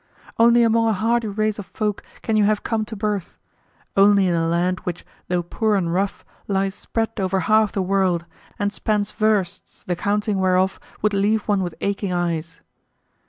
Only among a hardy race of folk can you have come to birth only in a land which, though poor and rough, lies spread over half the world, and spans versts the counting whereof would leave one with aching eyes.